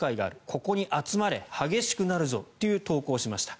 ここに集まれ激しくなるぞという投稿をしました。